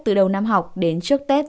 từ đầu năm học đến trước tết